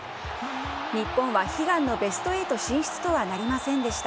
日本は悲願のベスト８進出とはなりませんでした。